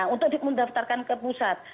untuk mendaftarkan ke pusat